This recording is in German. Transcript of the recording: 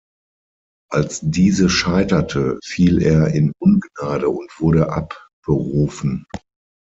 Als diese scheiterte, fiel er in Ungnade und wurde abberufen.